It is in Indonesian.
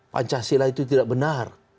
pancasila itu tidak benar